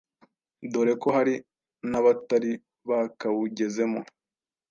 dore ko hari n’abatari bakawugezemo